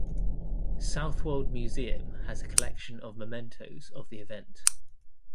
Southwold Museum has a collection of mementos of the event.